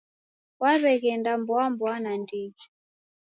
W'aw'eghenda mboa mboa nandighi